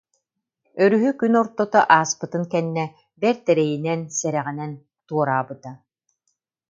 Өрүһү күн ортото ааспытын кэннэ бэрт эрэйинэн, сэрэҕинэн туораабыта